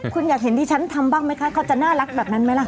คุณอยากเห็นที่ฉันทำบ้างไหมคะเขาจะน่ารักแบบนั้นไหมล่ะ